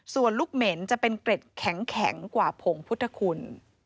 ส่วนลูกเหม็นจะเป็นเกร็ดแข็งกว่าผงพุทธคุณ